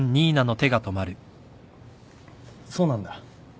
そうなんだ。